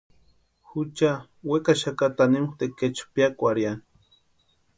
Jucha wekaxaka tanimu tekechu piakwarhiani.